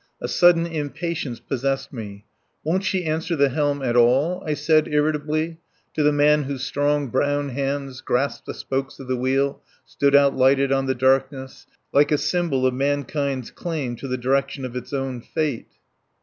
A sudden impatience possessed me. "Won't she answer the helm at all?" I said irritably to the man whose strong brown hands grasping the spokes of the wheel stood out lighted on the darkness; like a symbol of mankind's claim to the direction of its own fate.